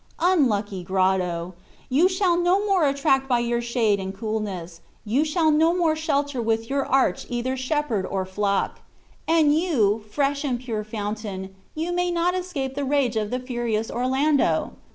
Unlucky grotto! you shall no more attract by your shade and coolness, you shall no more shelter with your arch either shepherd or flock. And you, fresh and pure fountain, you may not escape the rage of the furious Orlando!